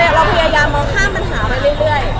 เราพยายามมองข้ามปัญหามาเรื่อย